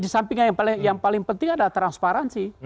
di sampingnya yang paling penting adalah transparansi